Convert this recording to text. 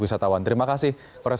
wisatawan terima kasih